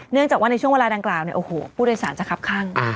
เนื่องจากว่าในช่วงเวลาดังกล่าวเนี่ยโอ้โหผู้โดยสารจะคับข้าง